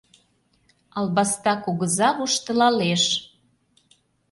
Албаста кугыза воштылалеш.